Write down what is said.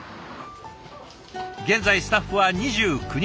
現在スタッフは２９人。